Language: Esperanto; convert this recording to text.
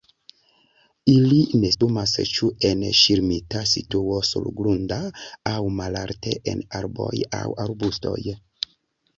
Ili nestumas ĉu en ŝirmita situo surgrunda aŭ malalte en arboj aŭ arbustoj.